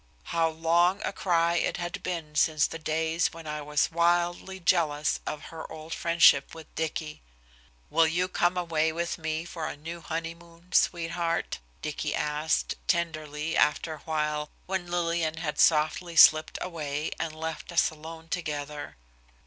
How long a cry it had been since the days when I was wildly jealous of her old friendship with Dicky! "Will you come away with me for a new honeymoon, sweetheart?" Dicky asked, tenderly, after awhile, when Lillian had softly slipped away and left us alone together.